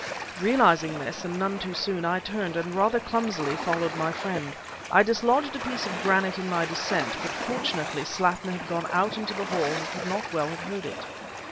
Realizing this, and none too soon, I turned, and rather clumsily followed my friend. I dislodged a piece of granite in my descent; but, fortunately, Slattin had gone out into the hall and could not well have heard it.